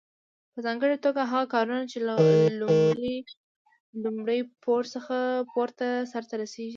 په ځانګړي توګه هغه کارونه چې له لومړي پوړ څخه پورته سرته رسیږي.